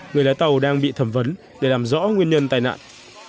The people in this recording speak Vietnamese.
người lái tàu đang bị thẩm vấn để làm rõ nguyên nhân tai nạn